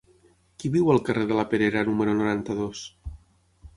Qui viu al carrer de la Perera número noranta-dos?